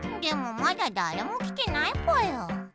でもまだだれも来てないぽよ。